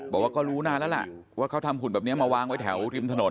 บอกว่าก็รู้นานแล้วล่ะว่าเขาทำหุ่นแบบนี้มาวางไว้แถวริมถนน